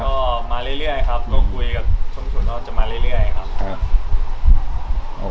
ก็มาเรื่อยครับก็คุยกับส้มส่วนว่าจะมาเรื่อยครับ